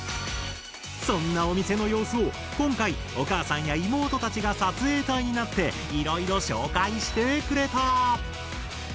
そんなお店の様子を今回お母さんや妹たちが撮影隊になっていろいろ紹介してくれた。